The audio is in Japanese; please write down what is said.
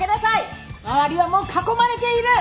周りはもう囲まれている！